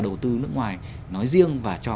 đầu tư nước ngoài nói riêng và cho